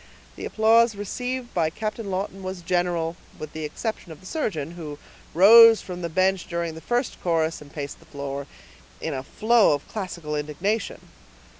The applause received by Captain Lawton was general, with the exception of the surgeon, who rose from the bench during the first chorus, and paced the floor, in a flow of classical indignation.